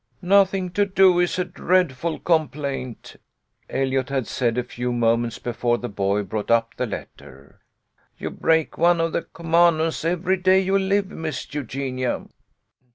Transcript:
" Nothing to do is a dreadful complaint," Eliot had said a few moments before the boy brought up EUGENIA JOINS THE SEARCH. ICX) the letter. " You break one of the commandments every day you live, Miss Eugenia."